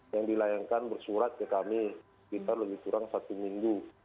yang dilayangkan bersurat ke kami sekitar lebih kurang satu minggu